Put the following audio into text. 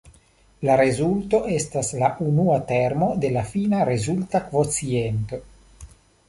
La rezulto estas la unua termo de la fina rezulta kvociento.